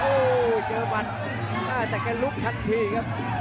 โอ้โหเจอหมัดแต่แกลุกทันทีครับ